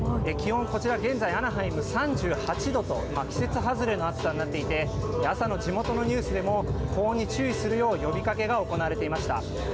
気温、こちら現在アナハイム３８度と、季節外れの暑さになっていて、朝の地元のニュースでも高温に注意するよう呼びかけが行われていました。